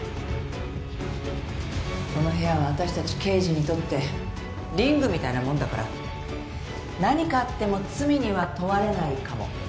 「この部屋は私たち刑事にとってリングみたいなものだから何かあっても罪には問われないかも」